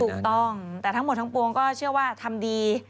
ถูกต้องแต่ทั้งหมดทั้งปวงก็เชื่อว่าทำดี